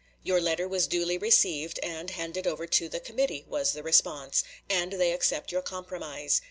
"Your letter was duly received and handed over to the committee," was the response, "and they accept your compromise.